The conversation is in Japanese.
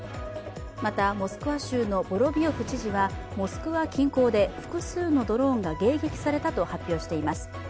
また、モスクワ州のボロビヨフ知事はモスクワ近郊で複数のドローンが迎撃されたと発表しています。